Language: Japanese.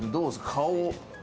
顔。